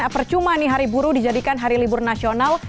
percuma nih hari buruh dijadikan hari libur nasional